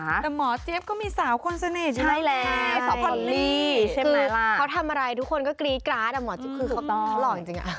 แต่หมอเจี๊ยบก็มีสาวคนสนิทใช่ไหมสาวพอลลี่ใช่ไหมเขาทำอะไรทุกคนก็กรี๊ดกราดอ่ะหมอเจี๊ยบคือเขาหล่อจริง